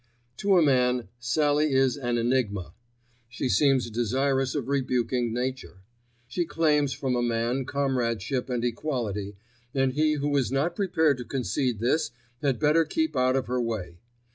To a man Sallie is an enigma. She seems desirous of rebuking Nature. She claims from a man comradeship and equality, and he who is not prepared to concede this had better keep out of her way.